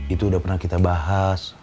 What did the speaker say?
itu udah pernah kita bahas